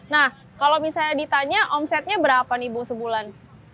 nah kalau misalnya ditanya omsetnya berapa nih bu sebulan